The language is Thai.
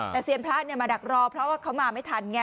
แต่เซียนพระมาดักรอเพราะว่าเขามาไม่ทันไง